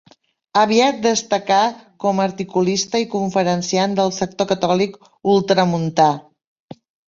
Aviat destacà com a articulista i conferenciant del sector catòlic ultramuntà.